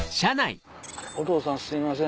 お父さんすいません